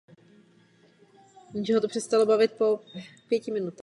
Jako mladík mladík vstoupil do Palmach a později i do Izraelských obranných sil.